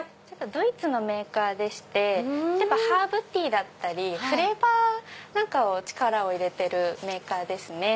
ドイツのメーカーでしてハーブティーだったりフレーバーなんかを力を入れてるメーカーですね。